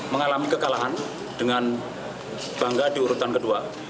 mengalami kekalahan dengan bangga di urutan kedua